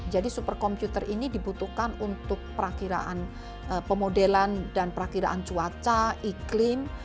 jadi superkomputer ini dibutuhkan untuk perakhiran pemodelan dan perakhiran cuaca iklim